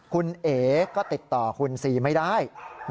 คุณเอ๋ก็ติดต่อคุณซีไม่ได้